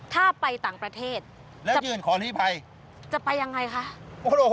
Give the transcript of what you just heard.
ถ้าไปต่างประเทศจะไปยังไงคะถ้าไปต่างประเทศแล้วยื่นขอรีภัย